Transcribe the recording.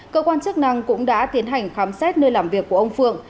cơ quan chức năng cũng đã tiến hành khám xét nơi làm việc của ông phượng